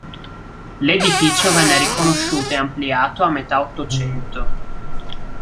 L'edificio venne ricostruito e ampliato a metà Ottocento.